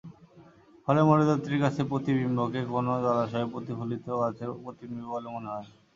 ফলে মরুযাত্রীর কাছে প্রতিবিম্বকে কোনো জলাশয়ে প্রতিফলিত গাছের প্রতিবিম্ব বলে মনে হয়।